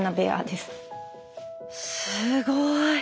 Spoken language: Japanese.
すごい！